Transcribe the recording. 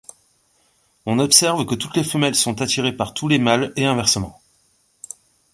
On observe que toutes les femelles sont attirées par tous les mâles, et inversement.